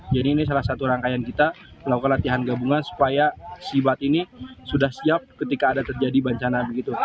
jadi ini salah satu rangkaian kita melakukan latihan gabungan supaya sibat ini sudah siap ketika ada terjadi bencana